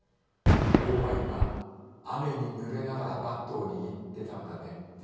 王は今、雨にぬれながらバットを握ってたんだね。